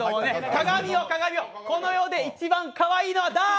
鏡よ、鏡、この世で一番かわいいのは誰